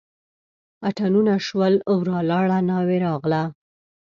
اتڼونه شول ورا لاړه ناوې راغله.